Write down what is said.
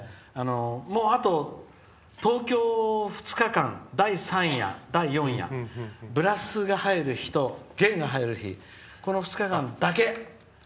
もうあと東京２日間、第三夜第四夜、ブラスが入る日と弦が入る日、この２日間だけ。